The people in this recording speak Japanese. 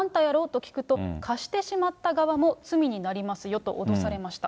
と聞くと、貸してしまった側も罪になりますよと脅されました。